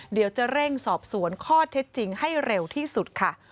เดี๋ยวจะเร่งสอบสวนข้อเท็จจริงให้เร็วที่สุดค่ะ